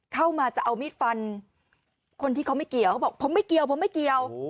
เข้ามาจะเอามีดฟันคนที่เขาไม่เกี่ยวเขาบอกผมไม่เกี่ยวผมไม่เกี่ยว